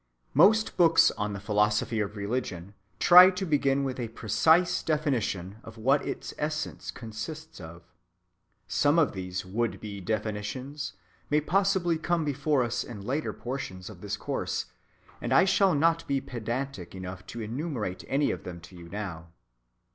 Most books on the philosophy of religion try to begin with a precise definition of what its essence consists of. Some of these would‐be definitions may possibly come before us in later portions of this course, and I shall not be pedantic enough to enumerate any of them to you now.